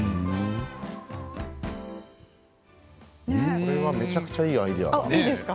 これはめちゃくちゃいいアイデア。